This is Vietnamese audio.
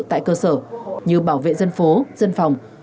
tại cơ sở như bảo vệ dân phố dân phòng